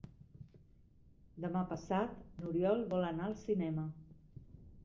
Demà passat n'Oriol vol anar al cinema.